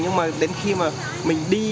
nhưng mà đến khi mà mình đi